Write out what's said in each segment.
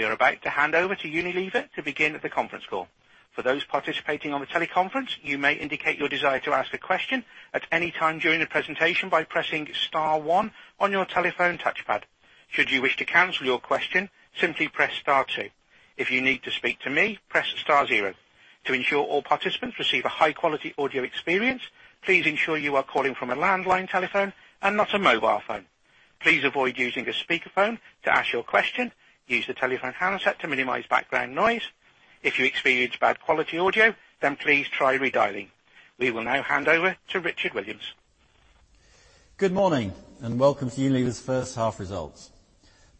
We are about to hand over to Unilever to begin the conference call. For those participating on the teleconference, you may indicate your desire to ask a question at any time during the presentation by pressing star one on your telephone touchpad. Should you wish to cancel your question, simply press star two. If you need to speak to me, press star zero. To ensure all participants receive a high-quality audio experience, please ensure you are calling from a landline telephone and not a mobile phone. Please avoid using a speakerphone to ask your question. Use the telephone handset to minimize background noise. If you experience bad quality audio, then please try redialing. We will now hand over to Richard Williams. Good morning. Welcome to Unilever's first-half results.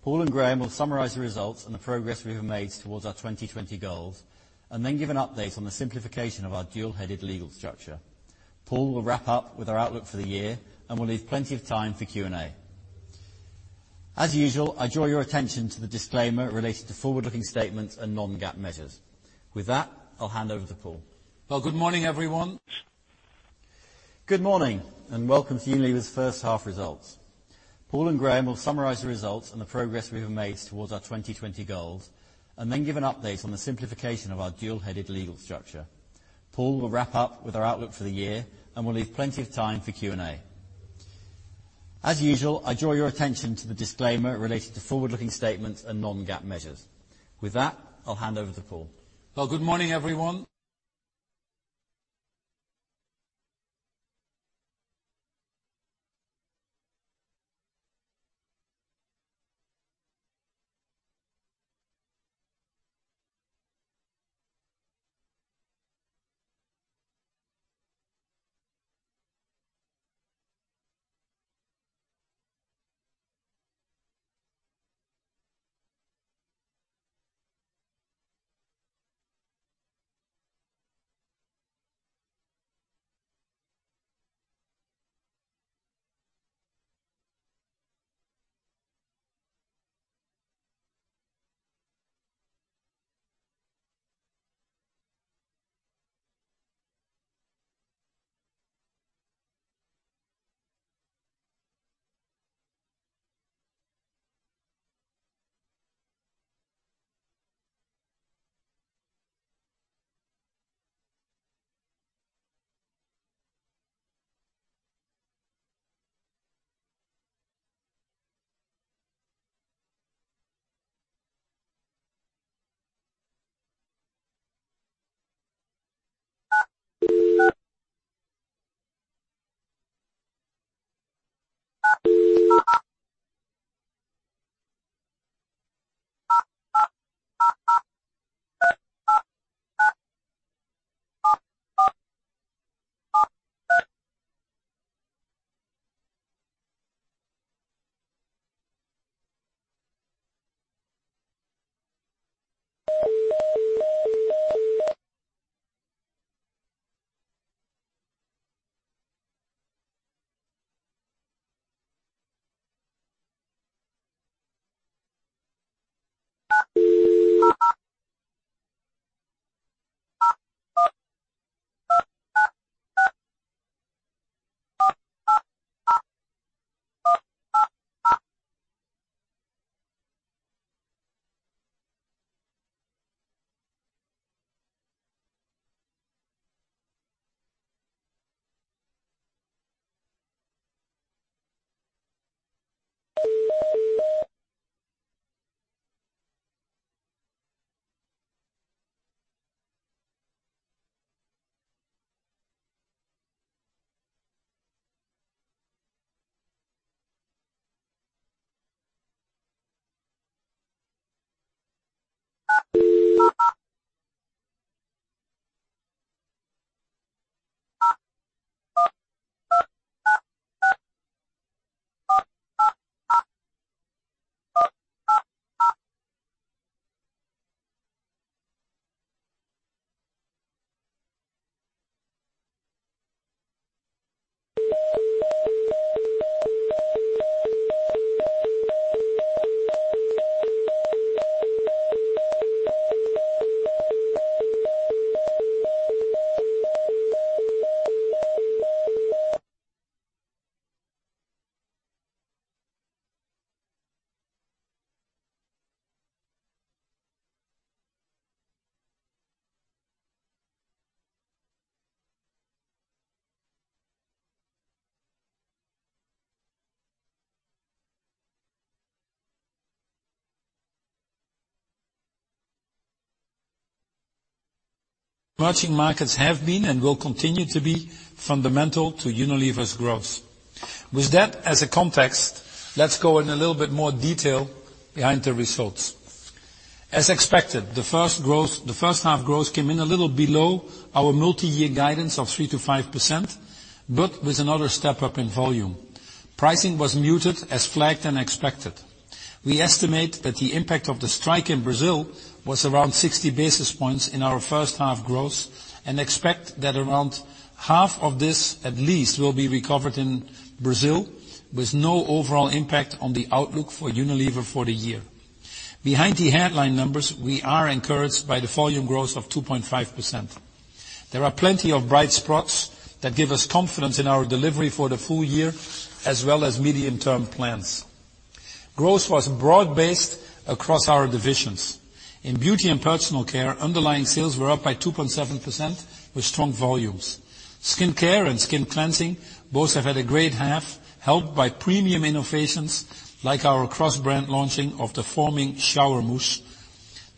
Paul and Graeme will summarize the results and the progress we have made towards our 2020 goals and then give an update on the simplification of our dual-headed legal structure. Paul will wrap up with our outlook for the year, and we'll leave plenty of time for Q&A. As usual, I draw your attention to the disclaimer related to forward-looking statements and non-GAAP measures. With that, I'll hand over to Paul. Well, good morning, everyone. Emerging markets have been and will continue to be fundamental to Unilever's growth. With that as a context, let's go in a little bit more detail behind the results. As expected, the first half growth came in a little below our multi-year guidance of 3%-5%, but with another step-up in volume. Pricing was muted as flagged and expected. We estimate that the impact of the strike in Brazil was around 60 basis points in our first half growth and expect that around half of this, at least, will be recovered in Brazil with no overall impact on the outlook for Unilever for the year. Behind the headline numbers, we are encouraged by the volume growth of 2.5%. There are plenty of bright spots that give us confidence in our delivery for the full year as well as medium-term plans. Growth was broad-based across our divisions. In beauty and personal care, underlying sales were up by 2.7% with strong volumes. Skincare and skin cleansing both have had a great half, helped by premium innovations like our cross-brand launching of the foaming shower mousse.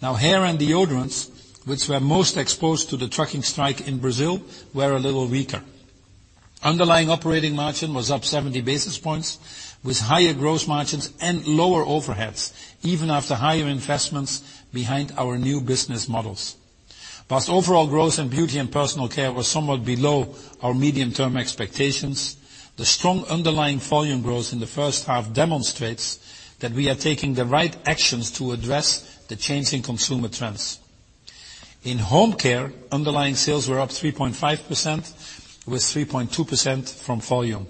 Hair and deodorants, which were most exposed to the trucking strike in Brazil, were a little weaker. Underlying operating margin was up 70 basis points with higher gross margins and lower overheads, even after higher investments behind our new business models. Whilst overall growth in beauty and personal care was somewhat below our medium-term expectations, the strong underlying volume growth in the first half demonstrates that we are taking the right actions to address the changing consumer trends. In home care, underlying sales were up 3.5% with 3.2% from volume.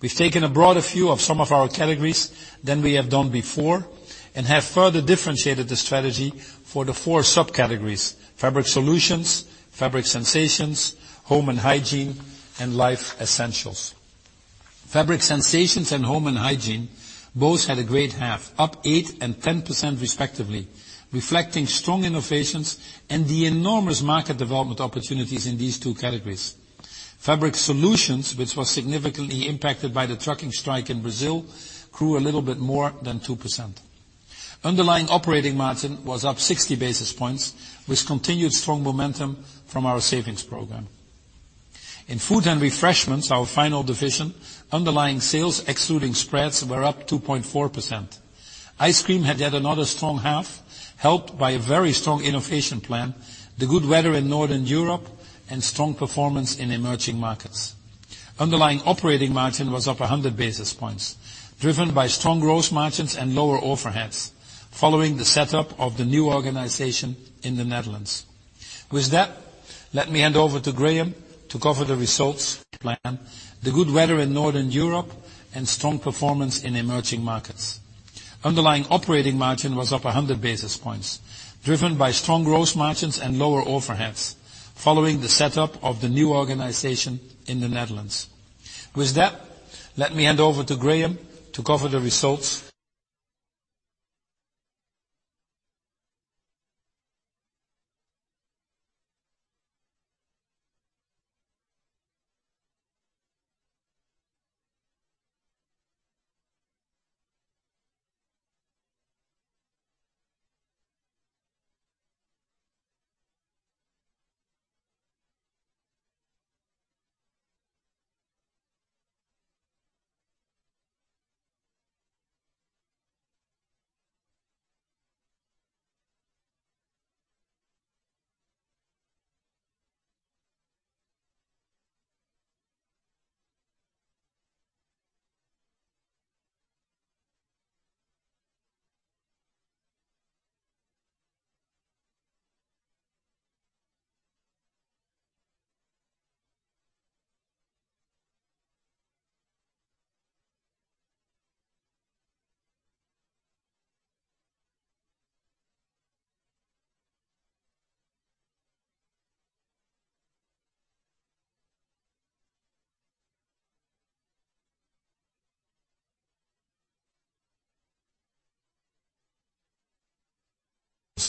We've taken a broader view of some of our categories than we have done before and have further differentiated the strategy for the four subcategories, fabric solutions, fabric sensations, home and hygiene, and life essentials. Fabric sensations and home and hygiene both had a great half, up 8% and 10% respectively, reflecting strong innovations and the enormous market development opportunities in these two categories. Fabric solutions, which was significantly impacted by the trucking strike in Brazil, grew a little bit more than 2%. Underlying operating margin was up 60 basis points, with continued strong momentum from our savings program. In food and refreshments, our final division, underlying sales excluding spreads were up 2.4%. Ice cream had yet another strong half, helped by a very strong innovation plan, the good weather in Northern Europe, and strong performance in emerging markets. Underlying operating margin was up 100 basis points, driven by strong gross margins and lower overheads following the setup of the new organization in the Netherlands. With that, let me hand over to Graeme to cover the results plan.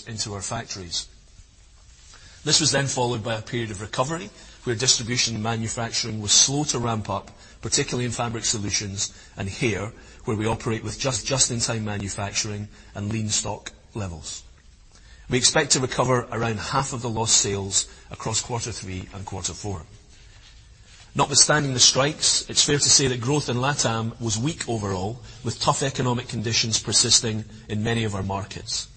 Into our factories. This was then followed by a period of recovery, where distribution and manufacturing was slow to ramp up, particularly in fabric solutions and hair, where we operate with just-in-time manufacturing and lean stock levels. We expect to recover around half of the lost sales across quarter three and quarter four. Notwithstanding the strikes, it is fair to say that growth in LATAM was weak overall, with tough economic conditions persisting in many of our markets.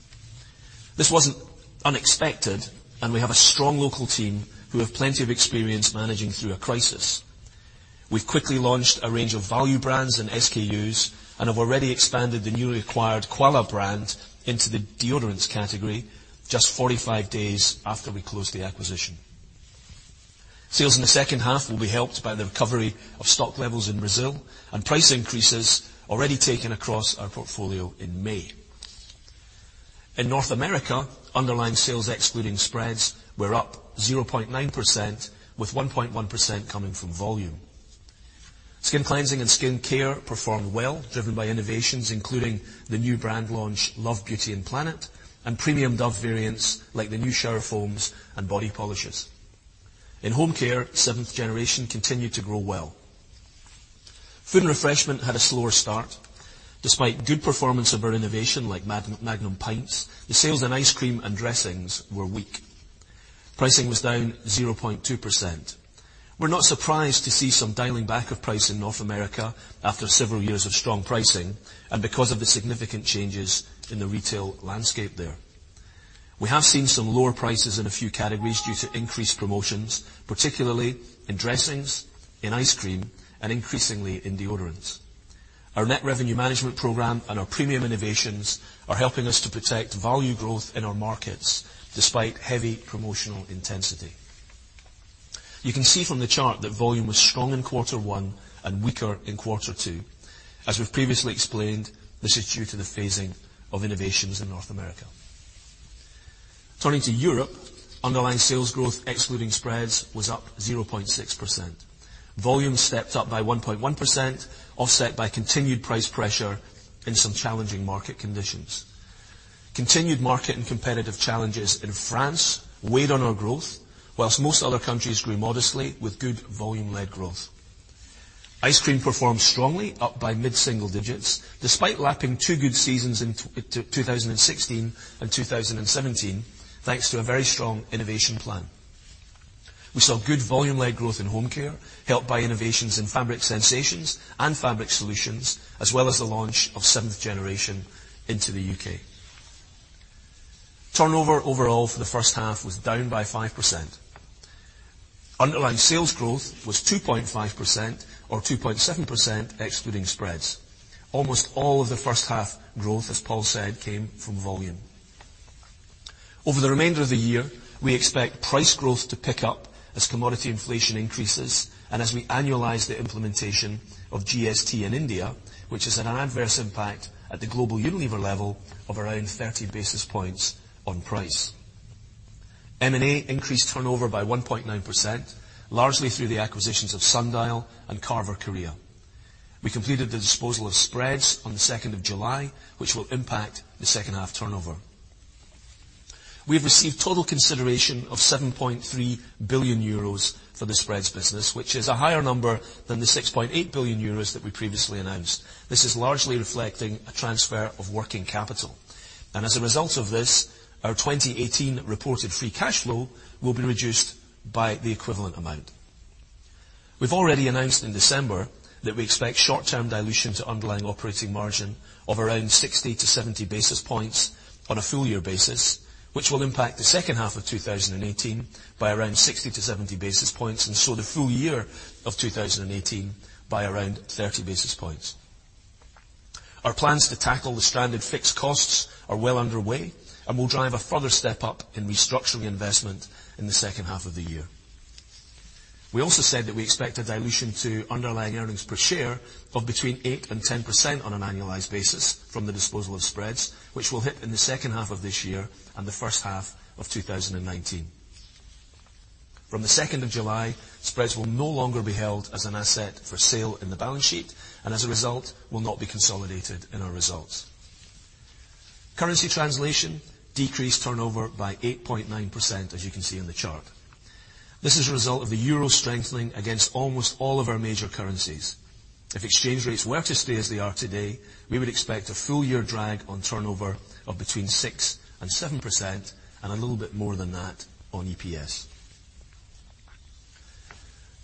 This wasn't unexpected, and we have a strong local team who have plenty of experience managing through a crisis. We've quickly launched a range of value brands and SKUs and have already expanded the newly acquired Quala brand into the deodorants category just 45 days after we closed the acquisition. Sales in the second half will be helped by the recovery of stock levels in Brazil and price increases already taken across our portfolio in May. In North America, underlying sales excluding spreads were up 0.9%, with 1.1% coming from volume. Skin cleansing and skin care performed well, driven by innovations including the new brand launch, Love Beauty and Planet, and premium Dove variants like the new shower foams and body polishes. In home care, Seventh Generation continued to grow well. Food and refreshment had a slower start. Despite good performance of our innovation like Magnum Pints, the sales in ice cream and dressings were weak. Pricing was down 0.2%. We're not surprised to see some dialing back of price in North America after several years of strong pricing and because of the significant changes in the retail landscape there. We have seen some lower prices in a few categories due to increased promotions, particularly in dressings, in ice cream, and increasingly in deodorants. Our net revenue management program and our premium innovations are helping us to protect value growth in our markets despite heavy promotional intensity. You can see from the chart that volume was strong in quarter one and weaker in quarter two. As we've previously explained, this is due to the phasing of innovations in North America. Turning to Europe, underlying sales growth, excluding spreads, was up 0.6%. Volume stepped up by 1.1%, offset by continued price pressure in some challenging market conditions. Continued market and competitive challenges in France weighed on our growth, while most other countries grew modestly with good volume-led growth. Ice cream performed strongly, up by mid-single digits, despite lapping two good seasons in 2016 and 2017, thanks to a very strong innovation plan. We saw good volume-led growth in home care, helped by innovations in fabric sensations and fabric solutions, as well as the launch of Seventh Generation into the U.K. Turnover overall for the first half was down by 5%. Underlying sales growth was 2.5% or 2.7% excluding spreads. Almost all of the first half growth, as Paul said, came from volume. Over the remainder of the year, we expect price growth to pick up as commodity inflation increases and as we annualize the implementation of GST in India, which has an adverse impact at the global Unilever level of around 30 basis points on price. M&A increased turnover by 1.9%, largely through the acquisitions of Sundial and Carver Korea. We completed the disposal of spreads on the 2nd of July, which will impact the second half turnover. We have received total consideration of 7.3 billion euros for the spreads business, which is a higher number than the 6.8 billion euros that we previously announced. This is largely reflecting a transfer of working capital. As a result of this, our 2018 reported free cash flow will be reduced by the equivalent amount. We've already announced in December that we expect short-term dilution to underlying operating margin of around 60 to 70 basis points on a full year basis, which will impact the second half of 2018 by around 60 to 70 basis points, and so the full year of 2018 by around 30 basis points. Our plans to tackle the stranded fixed costs are well underway and will drive a further step up in restructuring investment in the second half of the year. We also said that we expect a dilution to underlying earnings per share of between 8% and 10% on an annualized basis from the disposal of spreads, which will hit in the second half of this year and the first half of 2019. From the 2nd of July, spreads will no longer be held as an asset for sale in the balance sheet, as a result, will not be consolidated in our results. Currency translation decreased turnover by 8.9%, as you can see on the chart. This is a result of the euro strengthening against almost all of our major currencies. If exchange rates were to stay as they are today, we would expect a full year drag on turnover of between 6% and 7%, and a little bit more than that on EPS.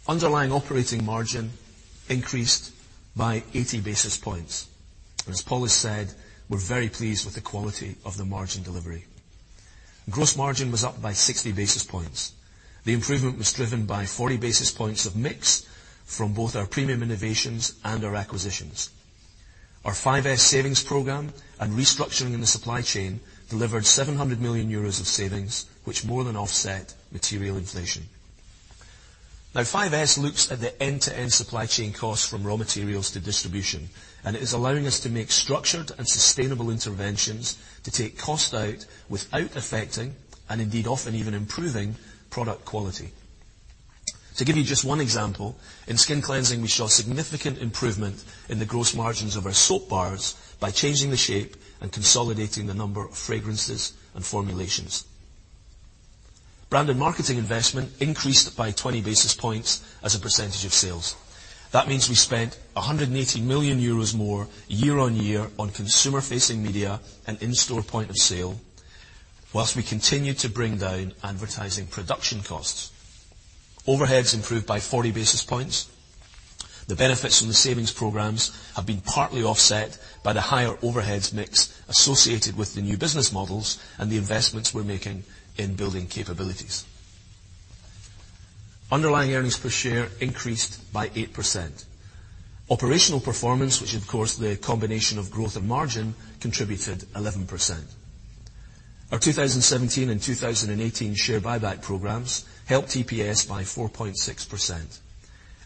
Underlying operating margin increased by 80 basis points. As Paul has said, we're very pleased with the quality of the margin delivery. Gross margin was up by 60 basis points. The improvement was driven by 40 basis points of mix from both our premium innovations and our acquisitions. Our 5S savings program and restructuring in the supply chain delivered 700 million euros of savings, which more than offset material inflation. 5S looks at the end-to-end supply chain costs from raw materials to distribution, and it is allowing us to make structured and sustainable interventions to take cost out without affecting, and indeed often even improving, product quality. To give you just one example, in skin cleansing, we saw significant improvement in the gross margins of our soap bars by changing the shape and consolidating the number of fragrances and formulations. Branded marketing investment increased by 20 basis points as a percentage of sales. That means we spent 180 million euros more year-on-year on consumer-facing media and in-store point of sale, whilst we continued to bring down advertising production costs. Overheads improved by 40 basis points. The benefits from the savings programs have been partly offset by the higher overheads mix associated with the new business models and the investments we're making in building capabilities. Underlying earnings per share increased by 8%. Operational performance, which of course the combination of growth and margin contributed 11%. Our 2017 and 2018 share buyback programs helped EPS by 4.6%.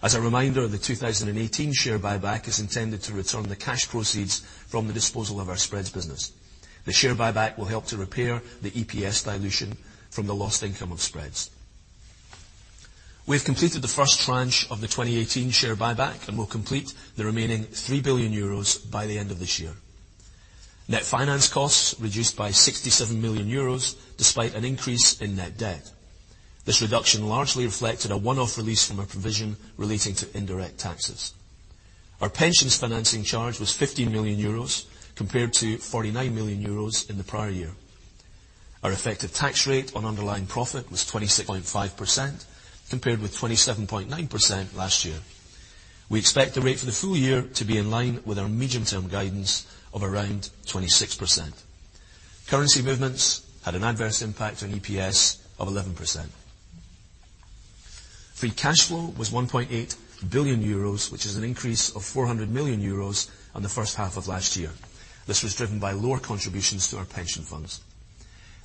As a reminder the 2018 share buyback is intended to return the cash proceeds from the disposal of our spreads business. The share buyback will help to repair the EPS dilution from the lost income of spreads. We have completed the first tranche of the 2018 share buyback and will complete the remaining 3 billion euros by the end of this year. Net finance costs reduced by 67 million euros despite an increase in net debt. This reduction largely reflected a one-off release from our provision relating to indirect taxes. Our pensions financing charge was 15 million euros compared to 49 million euros in the prior year. Our effective tax rate on underlying profit was 26.5%, compared with 27.9% last year. We expect the rate for the full year to be in line with our medium-term guidance of around 26%. Currency movements had an adverse impact on EPS of 11%. Free cash flow was 1.8 billion euros, which is an increase of 400 million euros on the first half of last year. This was driven by lower contributions to our pension funds.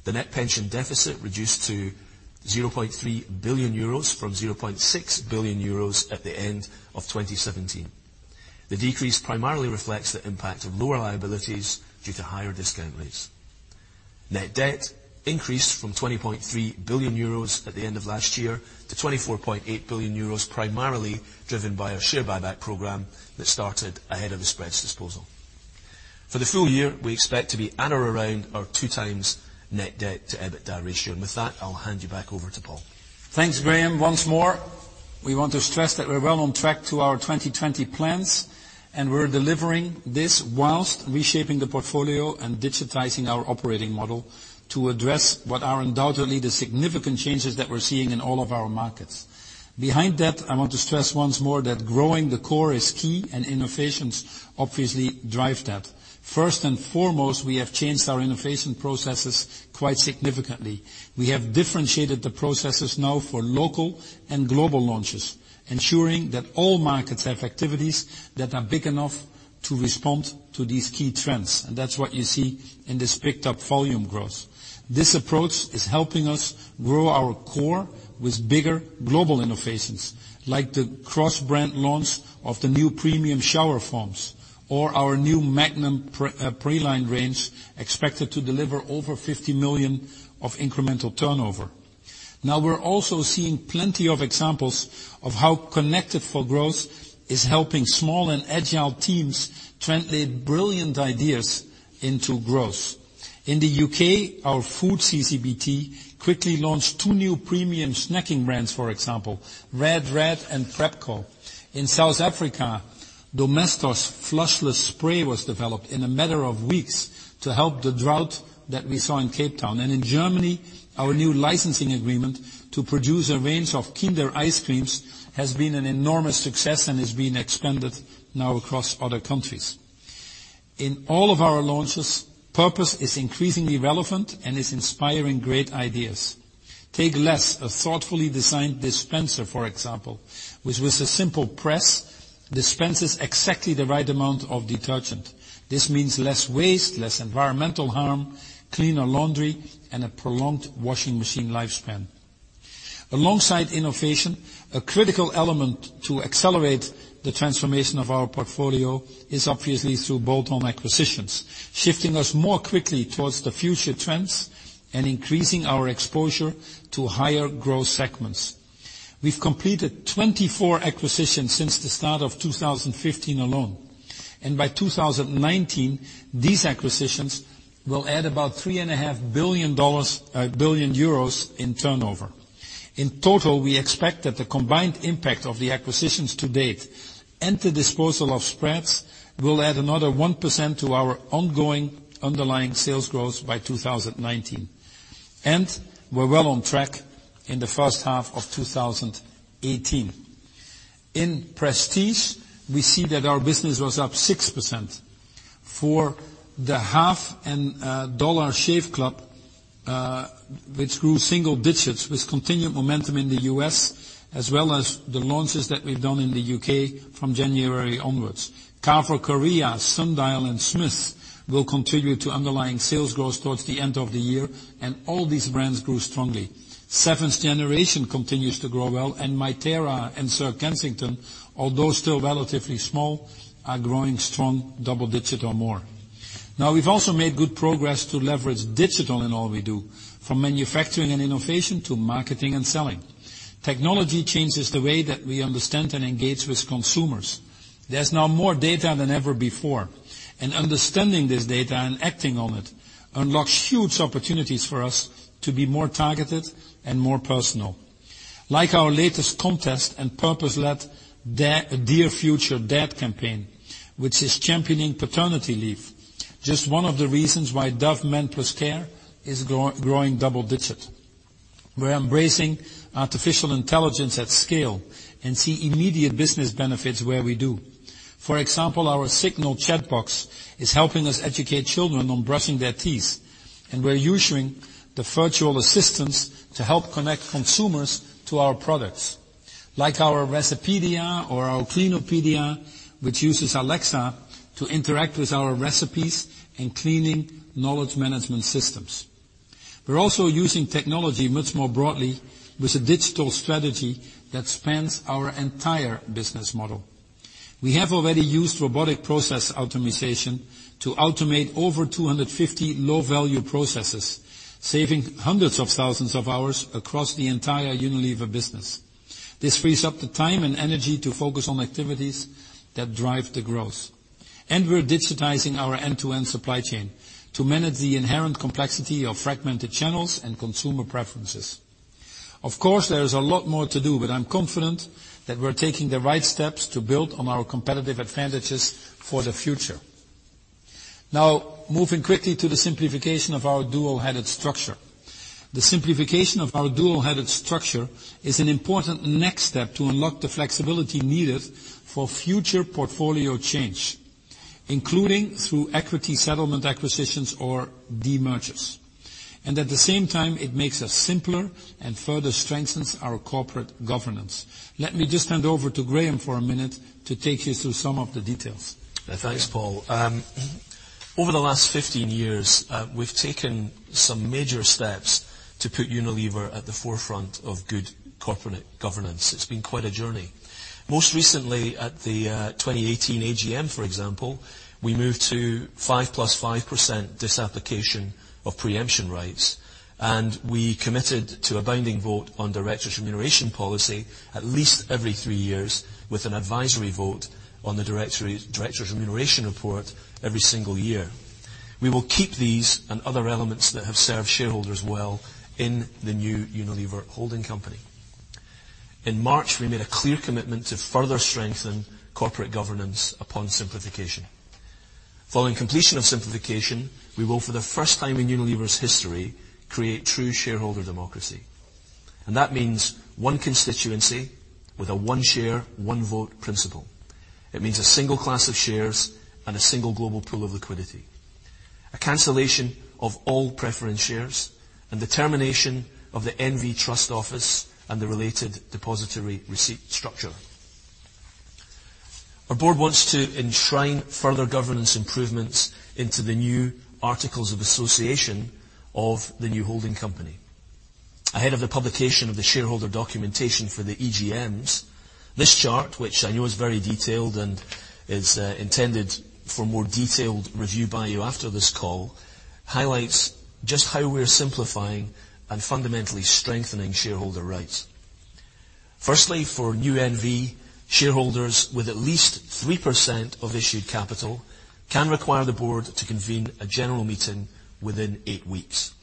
The net pension deficit reduced to 0.3 billion euros from 0.6 billion euros at the end of 2017. The decrease primarily reflects the impact of lower liabilities due to higher discount rates. Net debt increased from 20.3 billion euros at the end of last year to 24.8 billion euros, primarily driven by our share buyback program that started ahead of the spreads disposal. For the full year, we expect to be at or around our 2 times net debt to EBITDA ratio. With that, I'll hand you back over to Paul. Thanks, Graeme. Once more, we want to stress that we're well on track to our 2020 plans, and we're delivering this whilst reshaping the portfolio and digitizing our operating model to address what are undoubtedly the significant changes that we're seeing in all of our markets. Behind that, I want to stress once more that growing the core is key, and innovations obviously drive that. First and foremost, we have changed our innovation processes quite significantly. We have differentiated the processes now for local and global launches, ensuring that all markets have activities that are big enough to respond to these key trends. That's what you see in this picked-up volume growth. This approach is helping us grow our core with bigger global innovations, like the cross-brand launch of the new premium shower foams or our new Magnum Praline range, expected to deliver over 50 million of incremental turnover. We're also seeing plenty of examples of how Connected 4 Growth is helping small and agile teams translate brilliant ideas into growth. In the U.K., our food CCBT quickly launched two new premium snacking brands, for example, Red Red and Prep Co. In South Africa, Domestos flushless spray was developed in a matter of weeks to help the drought that we saw in Cape Town. In Germany, our new licensing agreement to produce a range of Kinder ice creams has been an enormous success and is being expanded now across other countries. In all of our launches, purpose is increasingly relevant and is inspiring great ideas. Take Less, a thoughtfully designed dispenser, for example, which with a simple press dispenses exactly the right amount of detergent. This means less waste, less environmental harm, cleaner laundry, and a prolonged washing machine lifespan. Alongside innovation, a critical element to accelerate the transformation of our portfolio is obviously through bolt-on acquisitions, shifting us more quickly towards the future trends and increasing our exposure to higher growth segments. We've completed 24 acquisitions since the start of 2015 alone, and by 2019, these acquisitions will add about 3.5 billion euros in turnover. In total, we expect that the combined impact of the acquisitions to date and the disposal of spreads will add another 1% to our ongoing underlying sales growth by 2019. We're well on track in the first half of 2018. In prestige, we see that our business was up 6% for the half and Dollar Shave Club, which grew single digits with continued momentum in the U.S. as well as the launches that we've done in the U.K. from January onwards. Carver Korea, Sundial, and Schmidt's Naturals will continue to underlying sales growth towards the end of the year, and all these brands grew strongly. Seventh Generation continues to grow well, and Mãe Terra and Sir Kensington's, although still relatively small, are growing strong double digit or more. We've also made good progress to leverage digital in all we do, from manufacturing and innovation to marketing and selling. Technology changes the way that we understand and engage with consumers. There's now more data than ever before, and understanding this data and acting on it unlocks huge opportunities for us to be more targeted and more personal. Like our latest contest and purpose-led Dear Future Dad campaign, which is championing paternity leave, just one of the reasons why Dove Men+Care is growing double digit. We're embracing artificial intelligence at scale and see immediate business benefits where we do. For example, our Signal Chatbot is helping us educate children on brushing their teeth, and we're using the virtual assistants to help connect consumers to our products, like our Recipedia or our Cleanipedia, which uses Alexa to interact with our recipes and cleaning knowledge management systems. We're also using technology much more broadly with a digital strategy that spans our entire business model. We have already used robotic process optimization to automate over 250 low-value processes, saving hundreds of thousands of hours across the entire Unilever business. This frees up the time and energy to focus on activities that drive the growth. We're digitizing our end-to-end supply chain to manage the inherent complexity of fragmented channels and consumer preferences. Of course, there's a lot more to do, but I'm confident that we're taking the right steps to build on our competitive advantages for the future. moving quickly to the simplification of our dual-headed structure. The simplification of our dual-headed structure is an important next step to unlock the flexibility needed for future portfolio change, including through equity settlement acquisitions or demergers. At the same time, it makes us simpler and further strengthens our corporate governance. Let me just hand over to Graeme for a minute to take you through some of the details. Thanks, Paul. Over the last 15 years, we've taken some major steps to put Unilever at the forefront of good corporate governance. It's been quite a journey. Most recently at the 2018 AGM, for example, we moved to 5% plus 5% disapplication of pre-emption rights, and we committed to a binding vote on directors' remuneration policy at least every three years, with an advisory vote on the directors' remuneration report every single year. We will keep these and other elements that have served shareholders well in the new Unilever holding company. In March, we made a clear commitment to further strengthen corporate governance upon simplification. Following completion of simplification, we will, for the first time in Unilever's history, create true shareholder democracy, and that means one constituency with a one share, one vote principle. It means a single class of shares and a single global pool of liquidity, a cancellation of all preference shares, and the termination of the NV trust office and the related depository receipt structure. Our board wants to enshrine further governance improvements into the new articles of association of the new holding company. Ahead of the publication of the shareholder documentation for the EGMs, this chart, which I know is very detailed and is intended for more detailed review by you after this call, highlights just how we're simplifying and fundamentally strengthening shareholder rights. Firstly, for new NV shareholders with at least 3% of issued capital can require the board to convene a general meeting within eight weeks.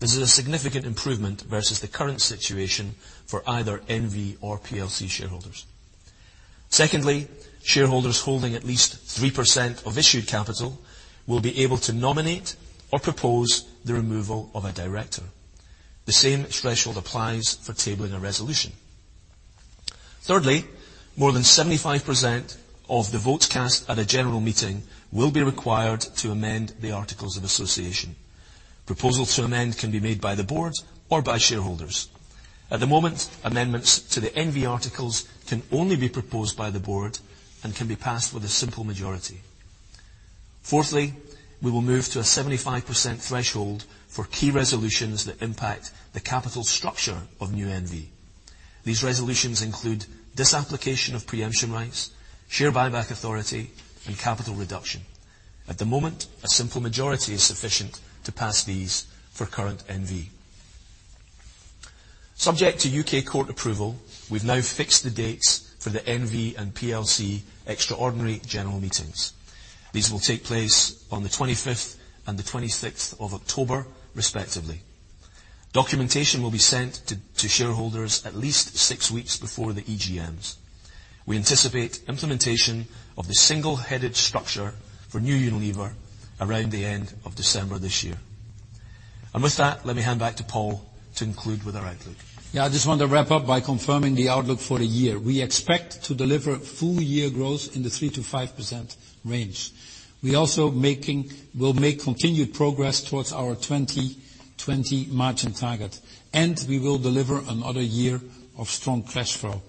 This is a significant improvement versus the current situation for either NV or PLC shareholders. Secondly, shareholders holding at least 3% of issued capital will be able to nominate or propose the removal of a director. The same threshold applies for tabling a resolution. Thirdly, more than 75% of the votes cast at a general meeting will be required to amend the articles of association. Proposals to amend can be made by the board or by shareholders. At the moment, amendments to the NV articles can only be proposed by the board and can be passed with a simple majority. Fourthly, we will move to a 75% threshold for key resolutions that impact the capital structure of new NV. These resolutions include disapplication of pre-emption rights, share buyback authority, and capital reduction. At the moment, a simple majority is sufficient to pass these for current NV. Subject to U.K. court approval, we've now fixed the dates for the NV and PLC extraordinary general meetings. These will take place on the 25th and the 26th of October respectively. Documentation will be sent to shareholders at least six weeks before the EGMs. We anticipate implementation of the single-headed structure for new Unilever around the end of December this year. With that, let me hand back to Paul to conclude with our outlook. Yeah, I just want to wrap up by confirming the outlook for the year. We expect to deliver full year growth in the 3%-5% range. We also will make continued progress towards our 2020 margin target, we will deliver another year of strong cash flow.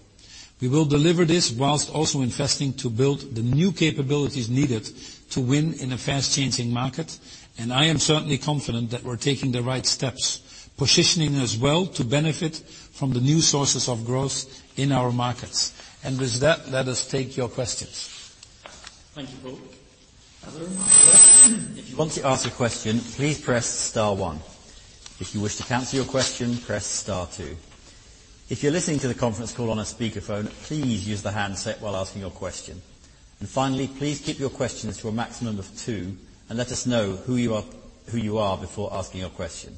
We will deliver this whilst also investing to build the new capabilities needed to win in a fast-changing market, I am certainly confident that we're taking the right steps, positioning us well to benefit from the new sources of growth in our markets. With that, let us take your questions. Thank you, Paul. If you want to ask a question, please press star one. If you wish to cancel your question, press star two. If you're listening to the conference call on a speakerphone, please use the handset while asking your question. Finally, please keep your questions to a maximum of two, let us know who you are before asking your question.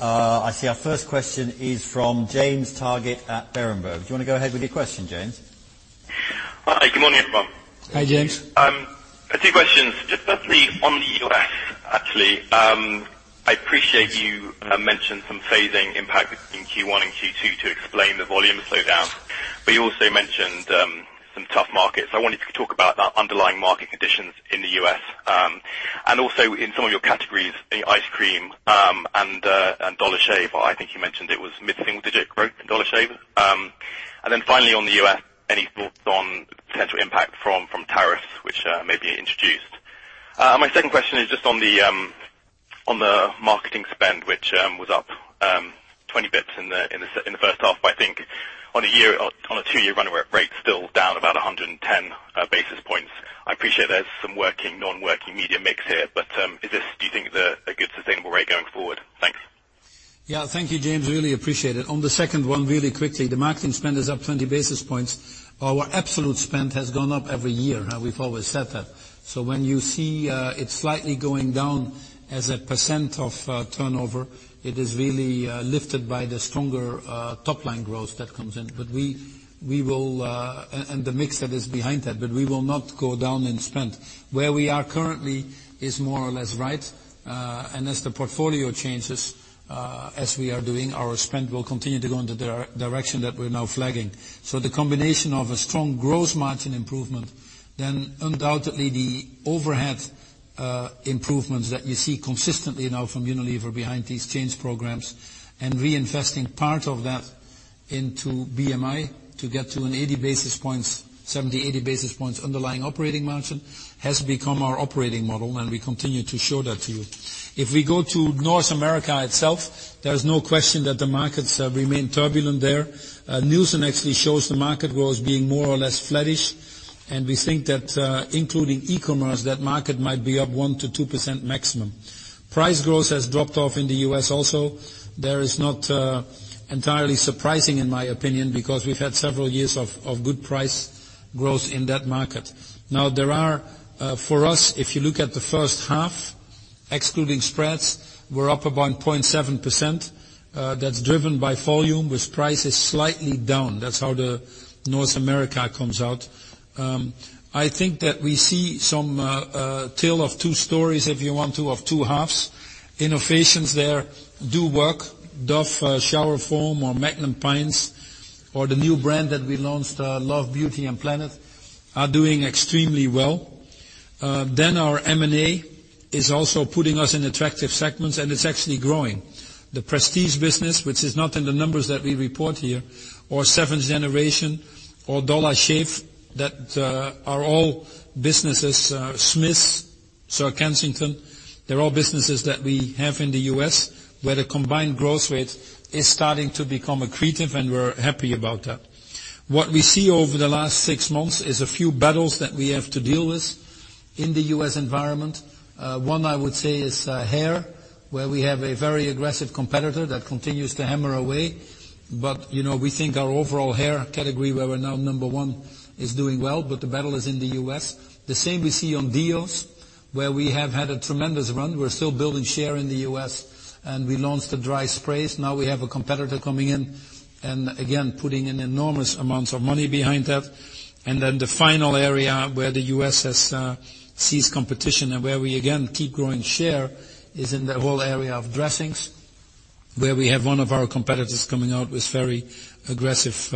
I see our first question is from James Targett at Berenberg. Do you want to go ahead with your question, James? Hi. Good morning, everyone. Hi, James. I have two questions. Just firstly, on the U.S., actually, I appreciate you mentioned some phasing impact between Q1 and Q2 to explain the volume slowdown, but you also mentioned some tough markets. I wonder if you could talk about underlying market conditions in the U.S., and also in some of your categories, ice cream and Dollar Shave. I think you mentioned it was mid-single digit growth in Dollar Shave. Then finally, on the U.S., any thoughts on potential impact from tariffs which may be introduced? My second question is just on the marketing spend, which was up 20 basis points in the first half, but I think on a 2-year run rate, still down about 110 basis points. I appreciate there's some working, non-working media mix here, but do you think it's a good sustainable rate going forward? Thanks. Yeah. Thank you, James. Really appreciate it. On the second one, really quickly, the marketing spend is up 20 basis points. Our absolute spend has gone up every year. We've always said that. When you see it slightly going down as a percent of turnover, it is really lifted by the stronger top-line growth that comes in, and the mix that is behind that, but we will not go down in spend. Where we are currently is more or less right. As the portfolio changes, as we are doing, our spend will continue to go in the direction that we're now flagging. The combination of a strong gross margin improvement, undoubtedly the overhead improvements that you see consistently now from Unilever behind these change programs and reinvesting part of that into BMI to get to a 70-80 basis points underlying operating margin has become our operating model, and we continue to show that to you. If we go to North America itself, there is no question that the markets remain turbulent there. Nielsen actually shows the market growth being more or less flattish, and we think that including e-commerce, that market might be up 1%-2% maximum. Price growth has dropped off in the U.S. also. There is not entirely surprising, in my opinion, because we've had several years of good price growth in that market. There are, for us, if you look at the first half, excluding spreads, we're up about 0.7%. That's driven by volume with prices slightly down. That's how North America comes out. I think that we see some tale of two stories, if you want to, of two halves. Innovations there do work. Dove Shower Foam or Magnum Pints or the new brand that we launched, Love Beauty and Planet, are doing extremely well. Our M&A is also putting us in attractive segments, and it's actually growing. The prestige business, which is not in the numbers that we report here, or Seventh Generation or Dollar Shave, Schmidt's Naturals, Sir Kensington's, they're all businesses that we have in the U.S. where the combined growth rate is starting to become accretive, and we're happy about that. What we see over the last six months is a few battles that we have to deal with in the U.S. environment. One, I would say, is hair, where we have a very aggressive competitor that continues to hammer away. We think our overall hair category, where we're now number one, is doing well, but the battle is in the U.S. The same we see on deodorants, where we have had a tremendous run. We're still building share in the U.S., and we launched the dry sprays. We have a competitor coming in and, again, putting in enormous amounts of money behind that. The final area where the U.S. has seized competition and where we again keep growing share is in the whole area of dressings, where we have one of our competitors coming out with very aggressive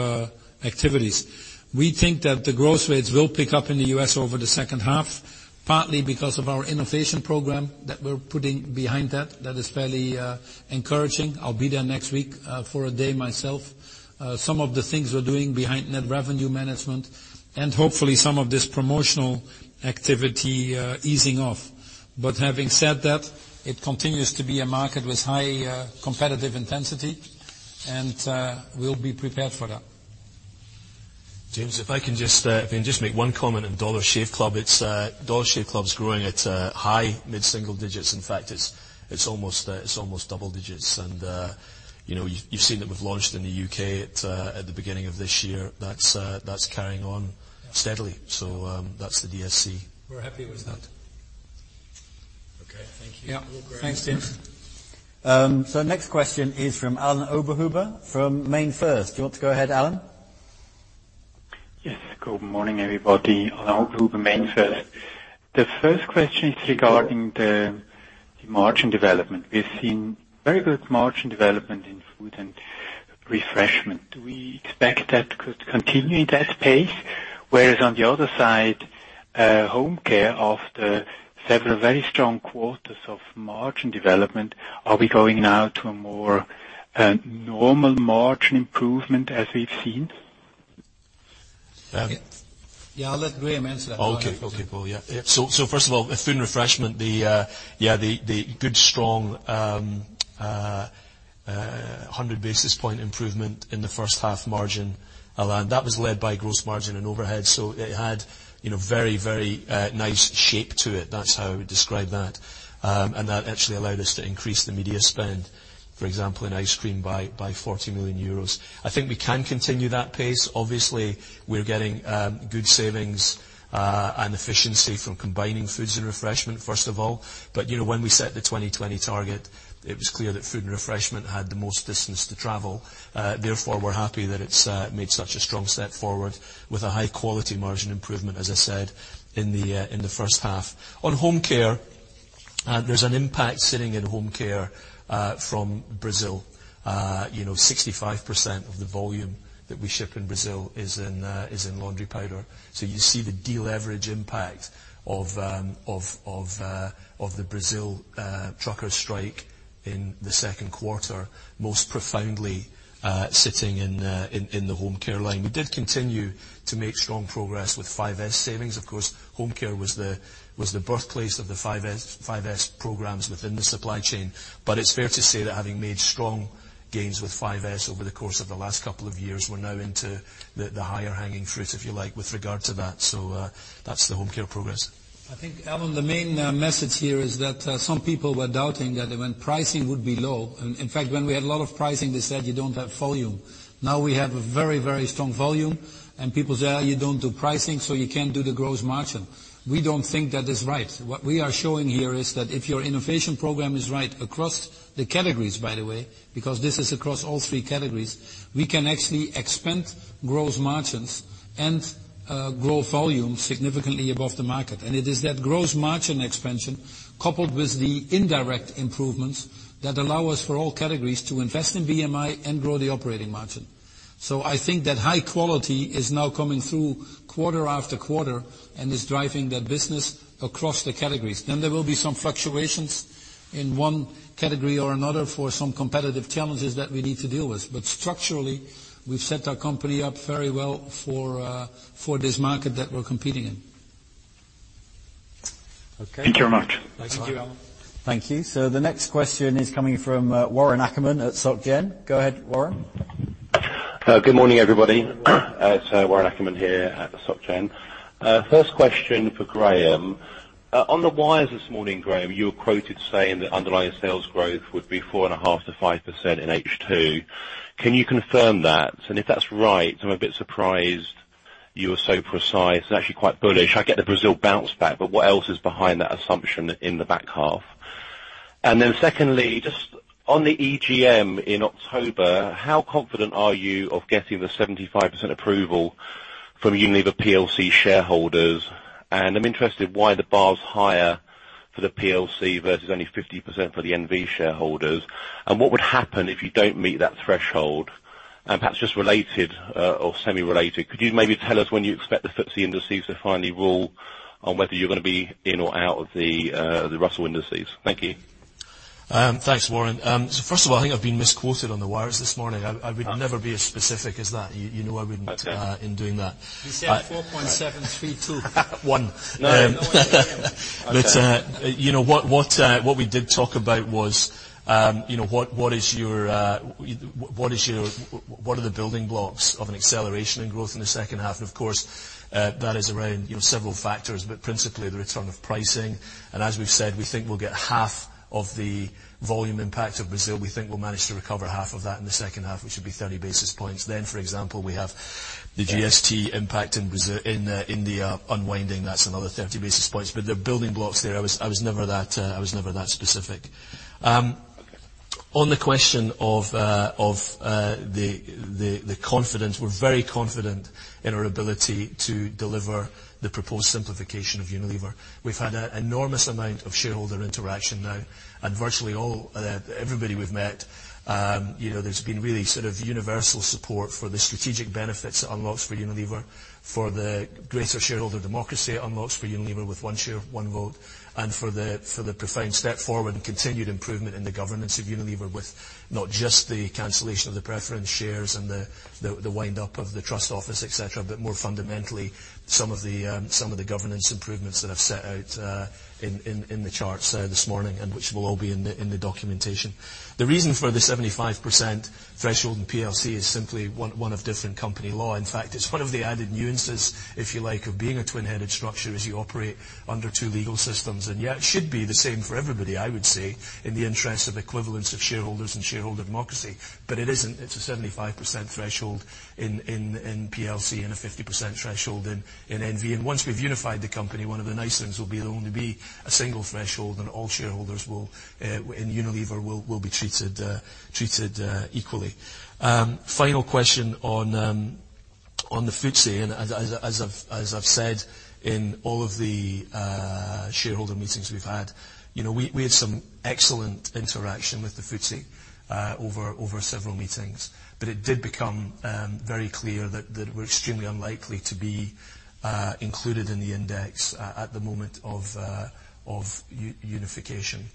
activities. We think that the growth rates will pick up in the U.S. over the second half, partly because of our innovation program that we're putting behind that. That is fairly encouraging. I'll be there next week for a day myself. Some of the things we're doing behind net revenue management, and hopefully some of this promotional activity easing off. Having said that, it continues to be a market with high competitive intensity, and we'll be prepared for that. James, if I can just make one comment on Dollar Shave Club. Dollar Shave Club is growing at high mid-single digits. In fact, it's almost double digits. You've seen that we've launched in the U.K. at the beginning of this year. That's carrying on steadily. That's the DSC. We're happy with that. Okay. Thank you. Yeah. Thanks, James. Next question is from Alain Oberhuber from MainFirst. Do you want to go ahead, Alan? Yes. Good morning, everybody, Alain Oberhuber, MainFirst. The first question is regarding the margin development. We've seen very good margin development in food and refreshment. Do we expect that to continue at that pace? Whereas on the other side, home care, after several very strong quarters of margin development, are we going now to a more normal margin improvement as we've seen? Yeah, I'll let Graeme answer that one. Okay. First of all, the food and refreshment, the good strong 100-basis point improvement in the first half margin, Alain. That was led by gross margin and overhead. It had very nice shape to it. That's how I would describe that. That actually allowed us to increase the media spend, for example, in ice cream by 40 million euros. I think we can continue that pace. Obviously, we're getting good savings and efficiency from combining foods and refreshment, first of all. When we set the 2020 target, it was clear that food and refreshment had the most distance to travel. Therefore, we're happy that it's made such a strong step forward with a high-quality margin improvement, as I said, in the first half. On home care, there's an impact sitting in home care from Brazil. 65% of the volume that we ship in Brazil is in laundry powder. You see the deleverage impact of the Brazil truckers' strike in the second quarter, most profoundly sitting in the home care line. We did continue to make strong progress with 5S savings. Of course, home care was the birthplace of the 5S programs within the supply chain. It's fair to say that having made strong gains with 5S over the course of the last couple of years, we're now into the higher hanging fruit, if you like, with regard to that. That's the home care progress. I think, Alain, the main message here is that some people were doubting that when pricing would be low, in fact, when we had a lot of pricing, they said you don't have volume. Now we have a very strong volume. People say, "Oh, you don't do pricing, you can't do the gross margin." We don't think that is right. What we are showing here is that if your innovation program is right across the categories, by the way, because this is across all three categories, we can actually expand gross margins and grow volume significantly above the market. It is that gross margin expansion coupled with the indirect improvements that allow us for all categories to invest in BMI and grow the operating margin. I think that high quality is now coming through quarter after quarter and is driving that business across the categories. There will be some fluctuations in one category or another for some competitive challenges that we need to deal with. Structurally, we've set our company up very well for this market that we're competing in. Okay. Thank you very much. Thank you. The next question is coming from Warren Ackerman at Société Générale. Go ahead, Warren. Good morning, everybody. It's Warren Ackerman here at the Soc Gen. First question for Graeme. On the wires this morning, Graeme, you were quoted saying that underlying sales growth would be 4.5%-5% in H2. Can you confirm that? If that's right, I'm a bit surprised you are so precise. It's actually quite bullish. I get the Brazil bounce back, what else is behind that assumption in the back half? Secondly, just on the EGM in October, how confident are you of getting the 75% approval from Unilever PLC shareholders? I'm interested why the bar's higher for the PLC versus only 50% for the NV shareholders. What would happen if you don't meet that threshold? Perhaps just related or semi-related, could you maybe tell us when you expect the FTSE Indexes to finally rule on whether you're going to be in or out of the Russell Indexes? Thank you. Thanks, Warren. First of all, I think I've been misquoted on the wires this morning. I would never be as specific as that. You know. Okay in doing that. He said 4.732. One. No, no. I hear you. What we did talk about was what are the building blocks of an acceleration in growth in the second half? Of course, that is around several factors. Principally, the return of pricing. As we've said, we think we'll get half of the volume impact of Brazil. We think we'll manage to recover half of that in the second half, which would be 30 basis points. Then, for example, we have the GST impact in India unwinding, that's another 30 basis points. They're building blocks there. I was never that specific. On the question of the confidence, we're very confident in our ability to deliver the proposed simplification of Unilever. We've had an enormous amount of shareholder interaction now, virtually all, everybody we've met, there's been really sort of universal support for the strategic benefits it unlocks for Unilever, for the greater shareholder democracy it unlocks for Unilever with one share, one vote, and for the profound step forward and continued improvement in the governance of Unilever with not just the cancellation of the preference shares and the wind up of the trust office, et cetera. More fundamentally, some of the governance improvements that I've set out in the charts this morning, which will all be in the documentation. The reason for the 75% threshold in PLC is simply one of different company law. In fact, it's one of the added nuances, if you like, of being a twin-headed structure as you operate under two legal systems. Yet should be the same for everybody, I would say, in the interest of equivalence of shareholders and shareholder democracy. It isn't, it's a 75% threshold in PLC and a 50% threshold in NV. Once we've unified the company, one of the nice things will be there'll only be a single threshold, and all shareholders in Unilever will be treated equally. Final question on the FTSE. As I've said in all of the shareholder meetings we've had, we had some excellent interaction with the FTSE over several meetings. It did become very clear that we're extremely unlikely to be included in the index at the moment of unification.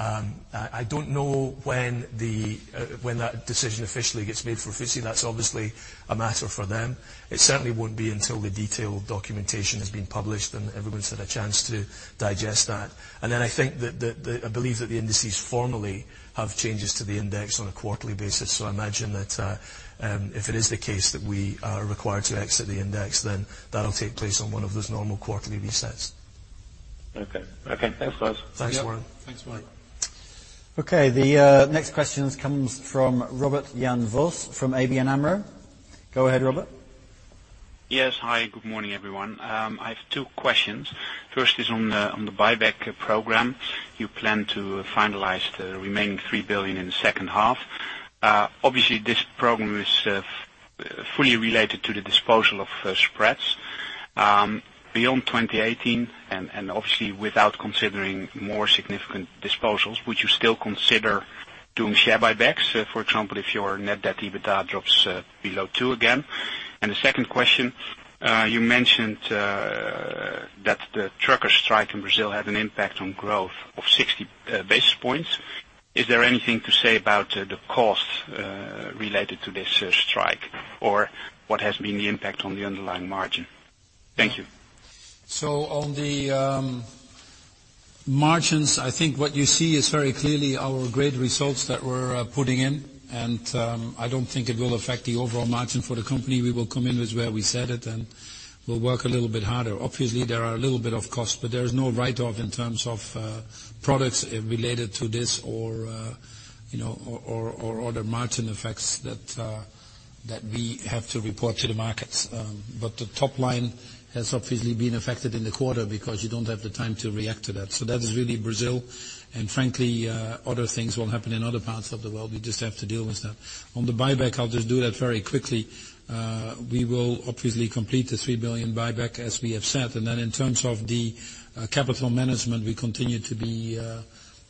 I don't know when that decision officially gets made for FTSE. That's obviously a matter for them. It certainly won't be until the detailed documentation has been published, everyone's had a chance to digest that. I believe that the indices formally have changes to the index on a quarterly basis. I imagine that if it is the case that we are required to exit the index, that'll take place on one of those normal quarterly resets. Okay. Thanks, guys. Thanks, Warren. Thanks, Warren. Okay. The next question comes from Robert Jan Vos from ABN AMRO. Go ahead, Robert. Yes. Hi, good morning, everyone. I have two questions. First is on the buyback program. You plan to finalize the remaining 3 billion in the second half. Obviously, this program is fully related to the disposal of spreads. Beyond 2018, and obviously without considering more significant disposals, would you still consider doing share buybacks? For example, if your net debt to EBITDA drops below 2 again. The second question, you mentioned that the trucker strike in Brazil had an impact on growth of 60 basis points. Is there anything to say about the cost related to this strike? What has been the impact on the underlying margin? Thank you. On the margins, I think what you see is very clearly our great results that we're putting in, and I don't think it will affect the overall margin for the company. We will come in with where we set it, and we'll work a little bit harder. Obviously, there are a little bit of cost, but there is no write-off in terms of products related to this or other margin effects that we have to report to the markets. The top line has obviously been affected in the quarter because you don't have the time to react to that. That is really Brazil, and frankly, other things will happen in other parts of the world. We just have to deal with that. On the buyback, I'll just do that very quickly. We will obviously complete the 3 billion buyback as we have said. In terms of the capital management, we continue to be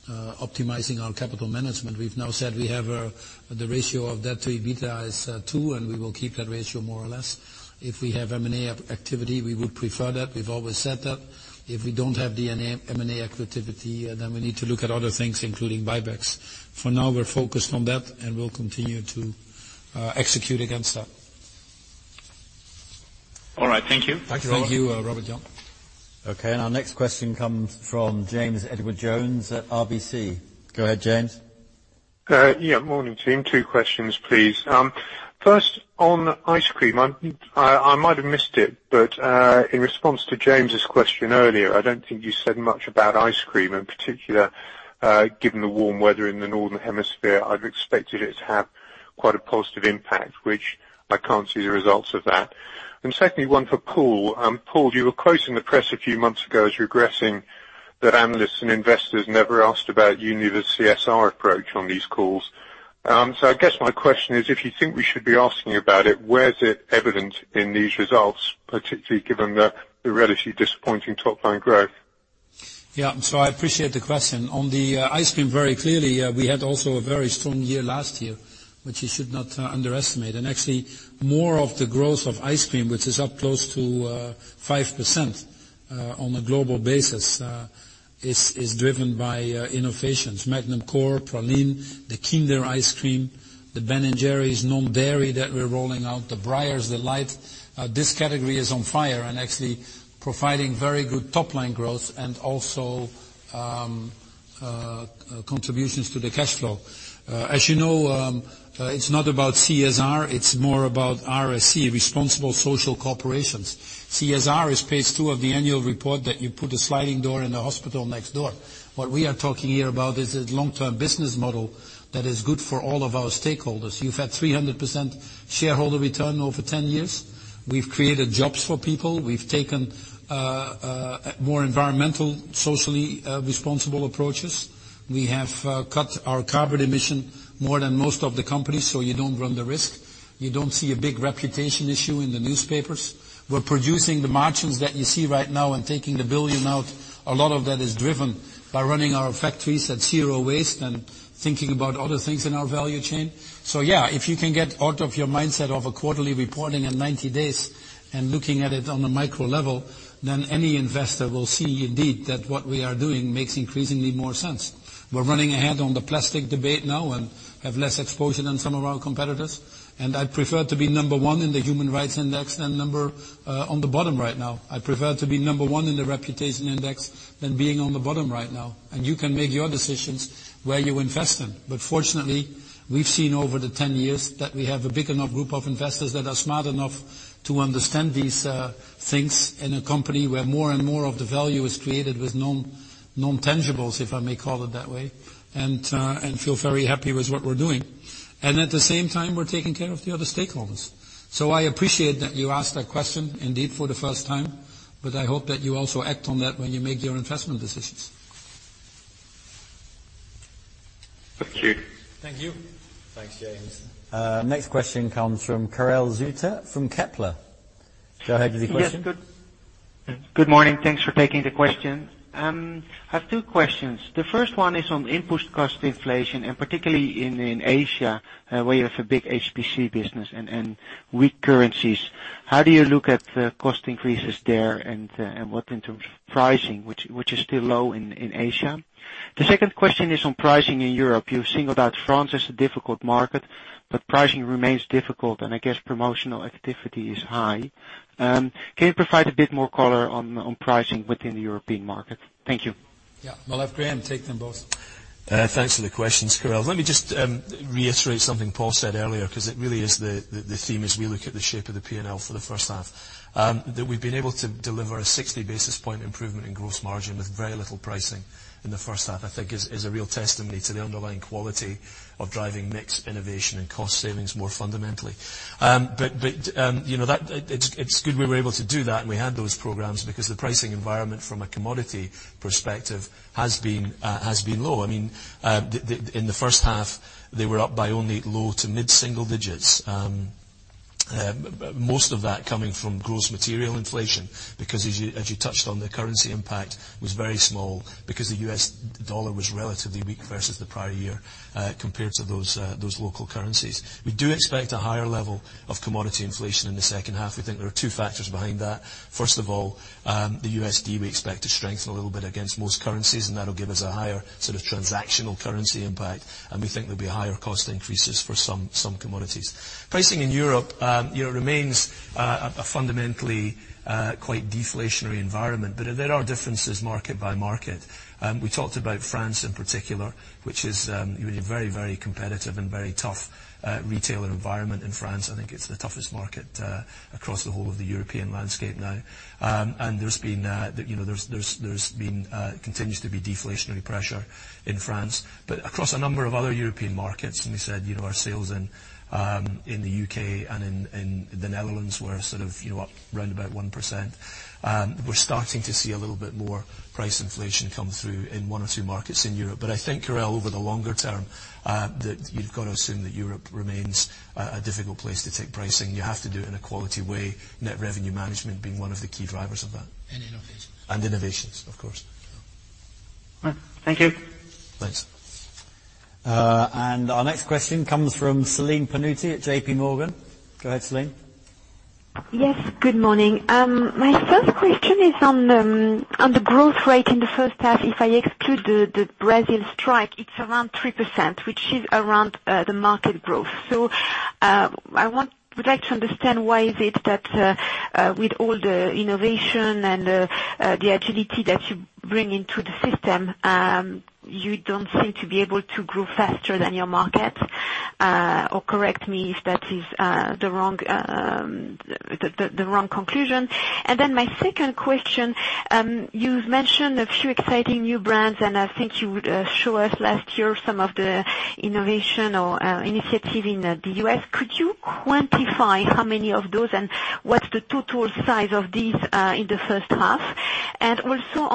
optimizing our capital management. We've now said we have the ratio of debt to EBITDA is 2, and we will keep that ratio more or less. If we have M&A activity, we would prefer that. We've always said that. If we don't have the M&A activity, we need to look at other things, including buybacks. For now, we're focused on that, and we'll continue to execute against that. All right. Thank you. Thank you, Robert Jan. Our next question comes from James Edwardes Jones at RBC. Go ahead, James. Morning, team. Two questions, please. First, on ice cream. I might have missed it, but, in response to James' question earlier, I don't think you said much about ice cream, in particular given the warm weather in the Northern Hemisphere. I've expected it to have quite a positive impact, which I can't see the results of that. Secondly, one for Paul. Paul, you were quoting the press a few months ago as regretting that analysts and investors never asked about Unilever CSR approach on these calls. I guess my question is, if you think we should be asking about it, where is it evident in these results, particularly given the relatively disappointing top-line growth? I appreciate the question. On the ice cream, very clearly, we had also a very strong year last year, which you should not underestimate. More of the growth of ice cream, which is up close to 5% on a global basis is driven by innovations. Magnum Core, Praline, the Kinder ice cream, the Ben & Jerry's non-dairy that we're rolling out, the Breyers Delights. This category is on fire and actually providing very good top-line growth and also contributions to the cash flow. As you know, it's not about CSR, it's more about RSC, responsible social corporations. CSR is page two of the annual report that you put a sliding door in the hospital next door. What we are talking here about is a long-term business model that is good for all of our stakeholders. You've had 300% shareholder return over 10 years. We've created jobs for people. We've taken more environmental, socially responsible approaches. We have cut our carbon emissions more than most of the companies, you don't run the risk. You don't see a big reputation issue in the newspapers. We're producing the margins that you see right now and taking 1 billion out. A lot of that is driven by running our factories at zero waste and thinking about other things in our value chain. Yeah, if you can get out of your mindset of a quarterly reporting in 90 days and looking at it on a micro level, then any investor will see indeed that what we are doing makes increasingly more sense. We're running ahead on the plastic debate now and have less exposure than some of our competitors. I prefer to be number one in the human rights index than number on the bottom right now. I prefer to be number one in the reputation index than being on the bottom right now. You can make your decisions where you invest in. Fortunately, we've seen over the 10 years that we have a big enough group of investors that are smart enough to understand these things in a company where more and more of the value is created with non-tangibles, if I may call it that way, and feel very happy with what we're doing. At the same time, we're taking care of the other stakeholders. I appreciate that you asked that question, indeed for the first time, but I hope that you also act on that when you make your investment decisions. Thank you. Thank you. Thanks, James. Next question comes from Karel Zoete from Kepler. Go ahead with your question. Yes. Good morning. Thanks for taking the question. I have two questions. The first one is on input cost inflation. Particularly in Asia, where you have a big HPC business and weak currencies. How do you look at cost increases there and what in terms of pricing, which is still low in Asia? The second question is on pricing in Europe. Pricing remains difficult and I guess promotional activity is high. Can you provide a bit more color on pricing within the European market? Thank you. We'll have Graeme take them both. Thanks for the questions, Karel Zoete. Let me just reiterate something Paul said earlier, because it really is the theme as we look at the shape of the P&L for the first half. That we've been able to deliver a 60 basis point improvement in gross margin with very little pricing in the first half, I think is a real testimony to the underlying quality of driving mix innovation and cost savings more fundamentally. It's good we were able to do that, and we had those programs because the pricing environment from a commodity perspective has been low. In the first half, they were up by only low to mid-single digits. Most of that coming from gross material inflation, because as you touched on, the currency impact was very small because the US dollar was relatively weak versus the prior year compared to those local currencies. We do expect a higher level of commodity inflation in the second half. We think there are two factors behind that. First of all, the USD we expect to strengthen a little bit against most currencies, and that will give us a higher sort of transactional currency impact, and we think there'll be higher cost increases for some commodities. Pricing in Europe remains a fundamentally quite deflationary environment. There are differences market by market. We talked about France in particular, which is a very competitive and very tough retailer environment in France. I think it's the toughest market across the whole of the European landscape now. There continues to be deflationary pressure in France. Across a number of other European markets, and we said our sales in the U.K. and in the Netherlands were sort of up around about 1%. We're starting to see a little bit more price inflation come through in one or two markets in Europe. I think, Karel, over the longer term, that you've got to assume that Europe remains a difficult place to take pricing. You have to do it in a quality way, net revenue management being one of the key drivers of that. Innovations. Innovations, of course. Thank you. Thanks. Our next question comes from Celine Pannuti at JPMorgan. Go ahead, Celine. Yes, good morning. My first question is on the growth rate in the first half. If I exclude the Brazil strike, it's around 3%, which is around the market growth. I would like to understand why is it that with all the innovation and the agility that you bring into the system, you don't seem to be able to grow faster than your market? Correct me if that is the wrong conclusion. My second question, you've mentioned a few exciting new brands, I think you would show us last year some of the innovation or initiative in the U.S. Could you quantify how many of those and what's the total size of these in the first half?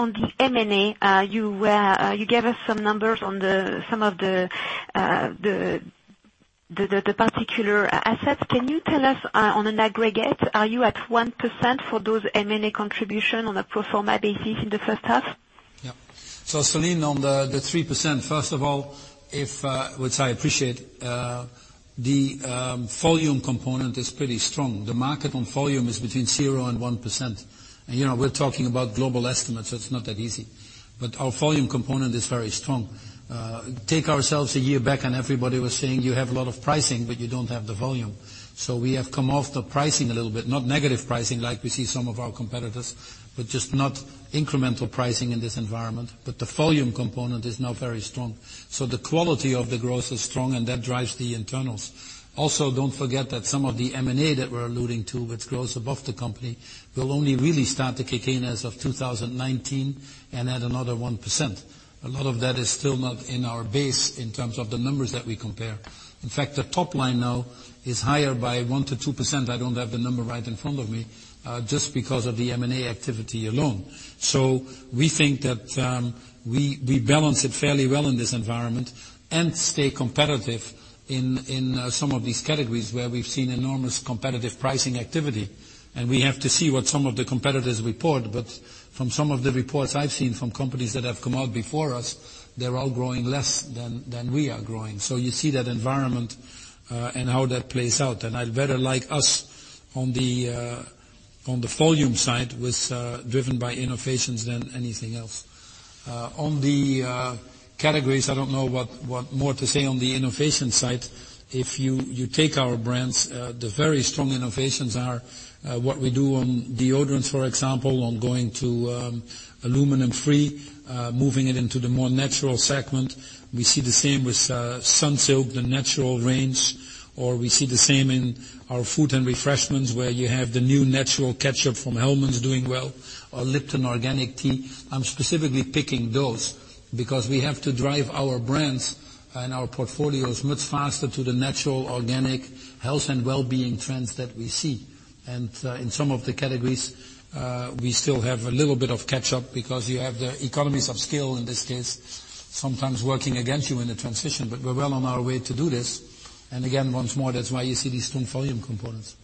On the M&A, you gave us some numbers on some of the particular assets. Can you tell us on an aggregate, are you at 1% for those M&A contribution on a pro forma basis in the first half? Celine, on the 3%, first of all, which I appreciate, the volume component is pretty strong. The market on volume is between 0% and 1%. We're talking about global estimates, it's not that easy, but our volume component is very strong. Take ourselves a year back and everybody was saying, "You have a lot of pricing, but you don't have the volume." We have come off the pricing a little bit, not negative pricing like we see some of our competitors, but just not incremental pricing in this environment. The volume component is now very strong. The quality of the growth is strong and that drives the internals. Don't forget that some of the M&A that we're alluding to, which grows above the company, will only really start to kick in as of 2019 and add another 1%. A lot of that is still not in our base in terms of the numbers that we compare. In fact, the top line now is higher by 1%-2%, I don't have the number right in front of me, just because of the M&A activity alone. We think that we balance it fairly well in this environment and stay competitive in some of these categories where we've seen enormous competitive pricing activity. We have to see what some of the competitors report, but from some of the reports I've seen from companies that have come out before us, they're all growing less than we are growing. You see that environment, and how that plays out, and I'd better like us on the volume side with driven by innovations than anything else. On the categories, I don't know what more to say on the innovation side. If you take our brands, the very strong innovations are what we do on deodorants, for example, on going to aluminum-free, moving it into the more natural segment. We see the same with Sunsilk, the natural range, or we see the same in our food and refreshments where you have the new natural ketchup from Hellmann's doing well, or Lipton Organic Tea. I'm specifically picking those because we have to drive our brands and our portfolios much faster to the natural organic health and wellbeing trends that we see. In some of the categories, we still have a little bit of catch-up because you have the economies of scale in this case sometimes working against you in the transition, but we're well on our way to do this. Again, once more, that's why you see these strong volume components.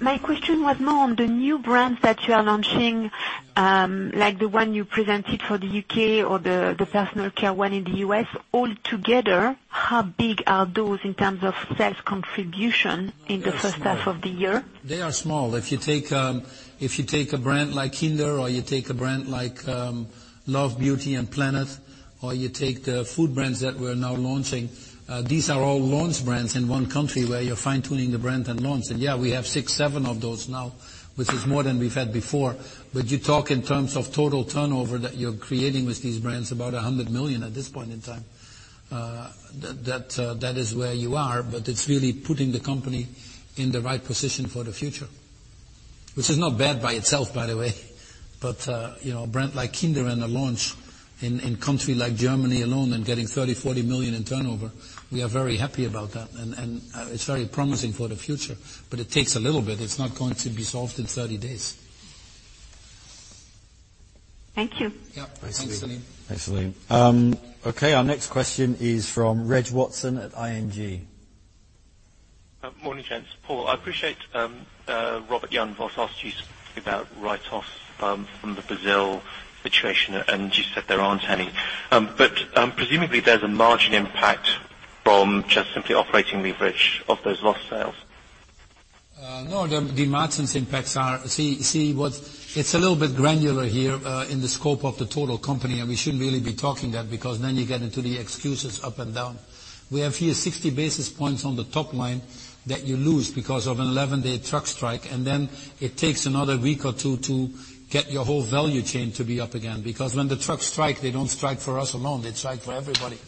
My question was more on the new brands that you are launching, like the one you presented for the U.K. or the personal care one in the U.S. All together, how big are those in terms of sales contribution in the first half of the year? They are small. If you take a brand like Kinder or you take a brand like Love Beauty and Planet, or you take the food brands that we're now launching, these are all launch brands in one country where you're fine-tuning the brand and launch. Yeah, we have six, seven of those now, which is more than we've had before. You talk in terms of total turnover that you're creating with these brands, about 100 million at this point in time. That is where you are, but it's really putting the company in the right position for the future, which is not bad by itself, by the way. A brand like Kinder in the launch in country like Germany alone and getting 30 million, 40 million in turnover, we are very happy about that. It's very promising for the future, but it takes a little bit. It's not going to be solved in 30 days. Thank you. Yeah. Thanks, Celine. Thanks, Celine. Our next question is from Reginald Watson at ING. Morning, gents. Paul, I appreciate, Robert Jan Vos asked you specifically about write-offs from the Brazil situation, you said there aren't any. Presumably there's a margin impact from just simply operating leverage of those lost sales. The margins impacts are it's a little bit granular here, in the scope of the total company, we shouldn't really be talking that because then you get into the excuses up and down. We have here 60 basis points on the top line that you lose because of an 11-day truck strike, it takes another week or two to get your whole value chain to be up again. When the trucks strike, they don't strike for us alone, they strike for everybody.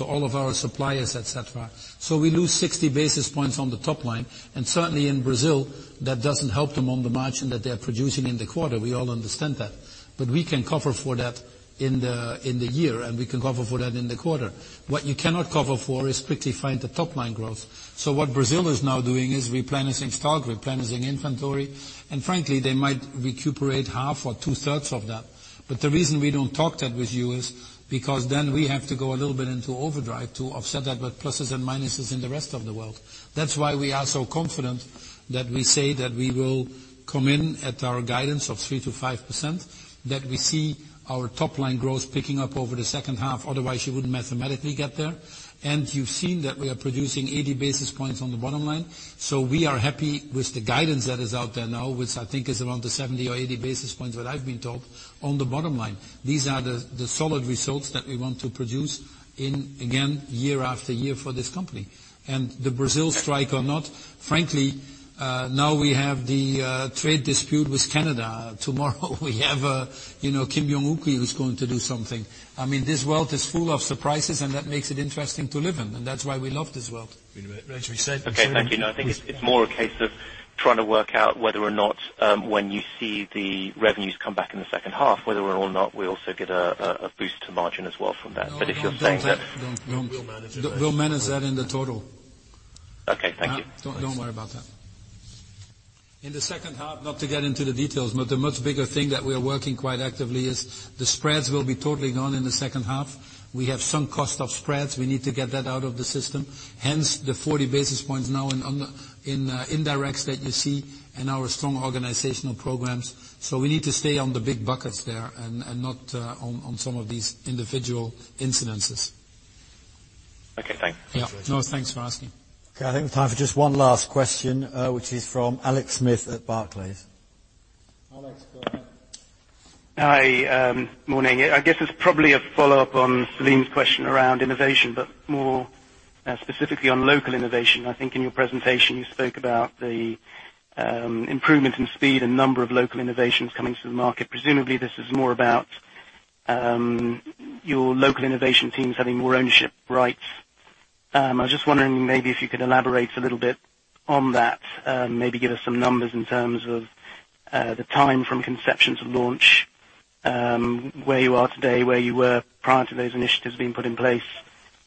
All of our suppliers, et cetera. We lose 60 basis points on the top line, certainly in Brazil, that doesn't help them on the margin that they're producing in the quarter. We all understand that. We can cover for that in the year, we can cover for that in the quarter. What you cannot cover for is quickly find the top-line growth. What Brazil is now doing is replenishing stock, replenishing inventory, frankly, they might recuperate half or two-thirds of that. The reason we don't talk that with you is Because then we have to go a little bit into overdrive to offset that with pluses and minuses in the rest of the world. That's why we are so confident that we say that we will come in at our guidance of 3%-5%, that we see our top-line growth picking up over the second half, otherwise you wouldn't mathematically get there. You've seen that we are producing 80 basis points on the bottom line. We are happy with the guidance that is out there now, which I think is around the 70 or 80 basis points that I've been told on the bottom line. These are the solid results that we want to produce in, again, year after year for this company. The Brazil strike or not, frankly, now we have the trade dispute with Canada. Tomorrow we have Kim Jong Un who is going to do something. This world is full of surprises, and that makes it interesting to live in, and that's why we love this world. As you said. Okay, thank you. No, I think it's more a case of trying to work out whether or not when you see the revenues come back in the second half, whether or not we also get a boost to margin as well from that. If you're saying that. No, don't. We'll manage it. We'll manage that in the total. Okay, thank you. Don't worry about that. In the second half, not to get into the details, but the much bigger thing that we are working quite actively is the spreads will be totally gone in the second half. We have some cost of spreads. We need to get that out of the system, hence the 40 basis points now in indirects that you see and our strong organizational programs. We need to stay on the big buckets there and not on some of these individual incidences. Okay, thanks. Yeah. No, thanks for asking. Okay, I think we have time for just one last question, which is from Alex Smith at Barclays. Alex, go ahead. Hi. Morning. I guess it's probably a follow-up on Celine's question around innovation, but more specifically on local innovation. I think in your presentation you spoke about the improvement in speed and number of local innovations coming to the market. Presumably, this is more about your local innovation teams having more ownership rights. I was just wondering maybe if you could elaborate a little bit on that, maybe give us some numbers in terms of the time from conception to launch, where you are today, where you were prior to those initiatives being put in place.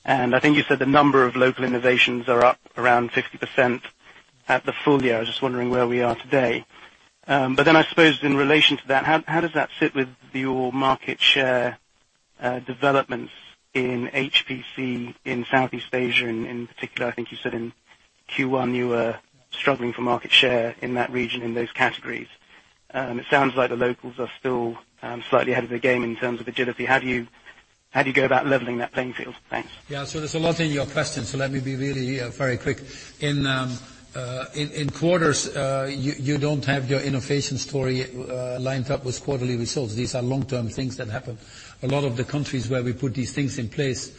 I think you said the number of local innovations are up around 60% at the full year. I was just wondering where we are today. I suppose in relation to that, how does that sit with your market share developments in HPC in Southeast Asia, in particular? I think you said in Q1 you were struggling for market share in that region in those categories. It sounds like the locals are still slightly ahead of the game in terms of agility. How do you go about leveling that playing field? Thanks. Yeah. There's a lot in your question. Let me be really very quick. In quarters, you don't have your innovation story lined up with quarterly results. These are long-term things that happen. A lot of the countries where we put these things in place,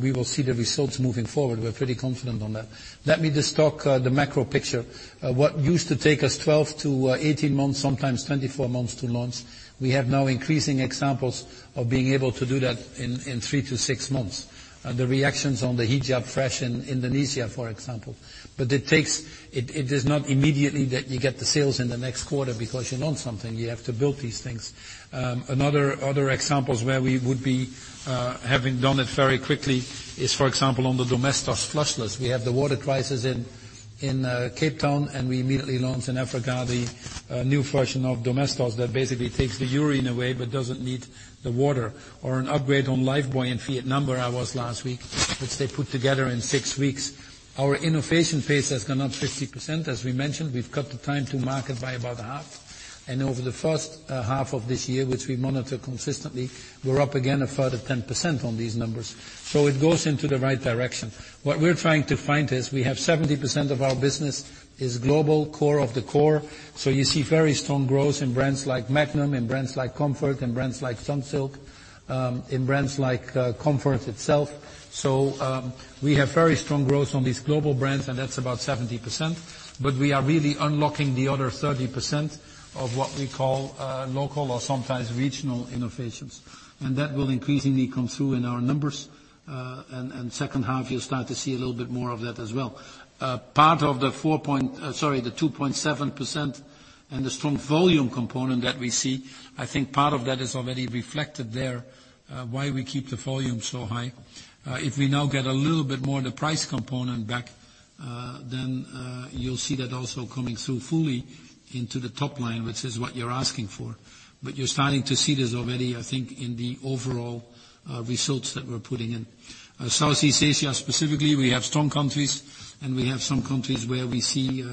we will see the results moving forward. We're pretty confident on that. Let me just talk the macro picture. What used to take us 12-18 months, sometimes 24 months to launch, we have now increasing examples of being able to do that in 3-6 months. The reactions on the Hijab Fresh in Indonesia, for example. It is not immediately that you get the sales in the next quarter because you launch something. You have to build these things. Other examples where we would be having done it very quickly is, for example, on the Domestos flushless. We have the water crisis in Cape Town, we immediately launched in Africa the new version of Domestos that basically takes the urine away but doesn't need the water. Or an upgrade on Lifebuoy in Vietnam, where I was last week, which they put together in six weeks. Our innovation pace has gone up 50%, as we mentioned. We've cut the time to market by about half. Over the first half of this year, which we monitor consistently, we're up again a further 10% on these numbers. It goes into the right direction. What we're trying to find is we have 70% of our business is global core of the core. You see very strong growth in brands like Magnum, in brands like Comfort, in brands like Sunsilk, in brands like Comfort itself. We have very strong growth on these global brands, and that's about 70%, but we are really unlocking the other 30% of what we call local or sometimes regional innovations. That will increasingly come through in our numbers. Second half, you'll start to see a little bit more of that as well. Part of the 2.7% and the strong volume component that we see, I think part of that is already reflected there, why we keep the volume so high. If we now get a little bit more the price component back, then you'll see that also coming through fully into the top line, which is what you're asking for. You're starting to see this already, I think, in the overall results that we're putting in. Southeast Asia specifically, we have strong countries, we have some countries where we see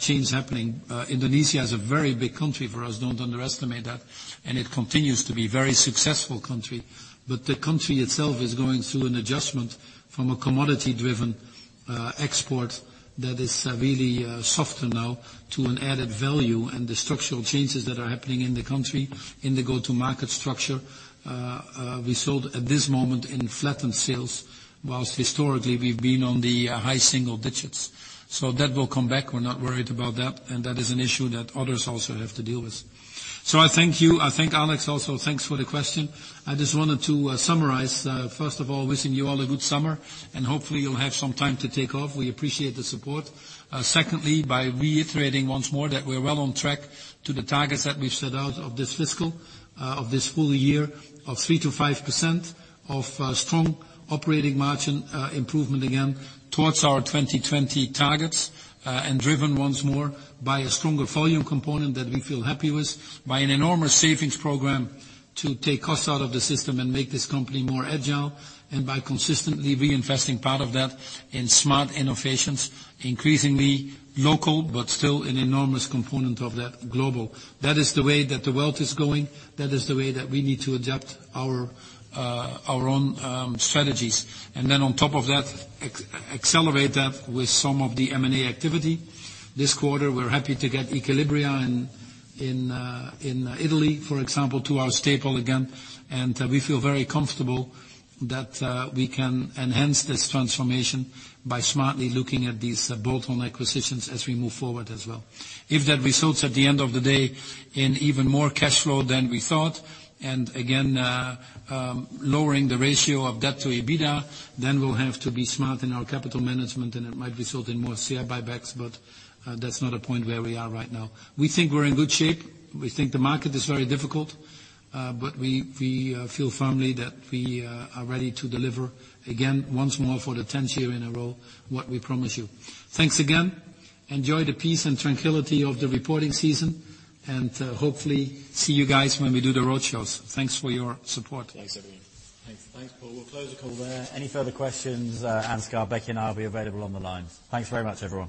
change happening. Indonesia is a very big country for us, don't underestimate that, it continues to be very successful country. The country itself is going through an adjustment from a commodity-driven export that is really softer now to an added value, the structural changes that are happening in the country, in the go-to market structure, we sold at this moment in flattened sales, whilst historically we've been on the high single digits. That will come back. We're not worried about that is an issue that others also have to deal with. I thank you. I thank Alex also. Thanks for the question. I just wanted to summarize, first of all, wishing you all a good summer, hopefully, you'll have some time to take off. We appreciate the support. Secondly, by reiterating once more that we're well on track to the targets that we've set out of this fiscal, of this full year of 3%-5% of strong operating margin improvement again towards our 2020 targets, driven once more by a stronger volume component that we feel happy with, by an enormous savings program to take costs out of the system and make this company more agile, by consistently reinvesting part of that in smart innovations, increasingly local, still an enormous component of that global. That is the way that the world is going. That is the way that we need to adapt our own strategies. On top of that, accelerate that with some of the M&A activity. This quarter, we're happy to get Equilibra in Italy, for example, to our staple again. We feel very comfortable that we can enhance this transformation by smartly looking at these bolt-on acquisitions as we move forward as well. If that results at the end of the day in even more cash flow than we thought, again, lowering the ratio of debt to EBITDA, we'll have to be smart in our capital management, it might result in more share buybacks, that's not a point where we are right now. We think we're in good shape. We think the market is very difficult, we feel firmly that we are ready to deliver again, once more for the 10th year in a row, what we promise you. Thanks again. Enjoy the peace and tranquility of the reporting season, hopefully, see you guys when we do the road shows. Thanks for your support. Thanks, everyone. Thanks. Thanks, Paul. We'll close the call there. Any further questions, Ansgar, Becky, and I will be available on the line. Thanks very much, everyone.